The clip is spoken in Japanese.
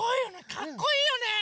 かっこいいよね！